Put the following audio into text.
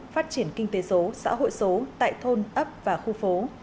phát triển kinh tế số xã hội số tại thôn ấp và khu phố